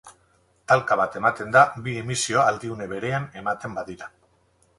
Talka bat ematen da bi emisio aldiune berean ematen badira.